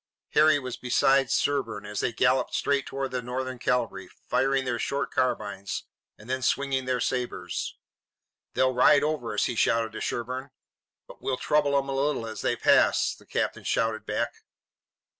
Harry was beside Sherburne as they galloped straight toward the Northern cavalry, firing their short carbines and then swinging their sabres. "They'll ride over us!" he shouted to Sherburne. "But we'll trouble 'em a little as they pass!" the captain shouted back.